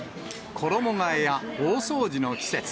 衣がえや大掃除の季節。